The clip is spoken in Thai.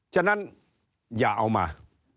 ฉะนั้นอย่าเอามา